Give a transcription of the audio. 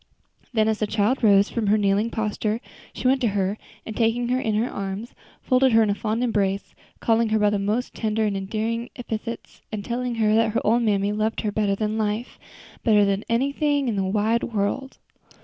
Then as the child rose from her kneeling posture she went to her, and taking her in her arms, folded her in a fond embrace, calling her by the most tender and endearing epithets, and telling her that her old mammy loved her better than life better than anything in the wide world.